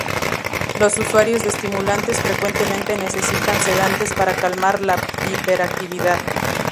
Los usuarios de estimulantes frecuentemente necesitan sedantes para calmar la hiperactividad.